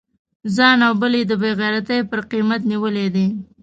ځان او بل یې د بې غیرتی پر قیمت نیولی دی.